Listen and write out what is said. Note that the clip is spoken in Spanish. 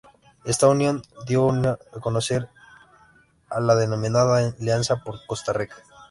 Esta unión dio origen a la denominada Alianza por Costa Rica.